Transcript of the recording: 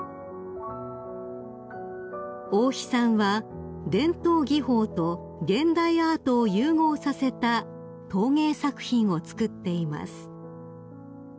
［大樋さんは伝統技法と現代アートを融合させた陶芸作品を作っています］